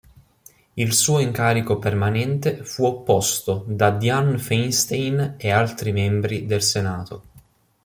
Il suo incarico permanente fu opposto da Dianne Feinstein e altri membri del Senato.